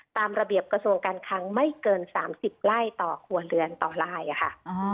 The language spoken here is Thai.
ตามระเบียบกระทรวงการคังไม่เกิน๓๐ไร่ต่อครัวเรือนต่อลายค่ะ